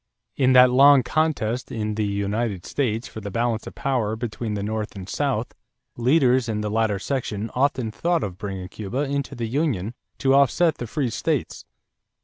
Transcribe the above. In that long contest in the United States for the balance of power between the North and South, leaders in the latter section often thought of bringing Cuba into the union to offset the free states.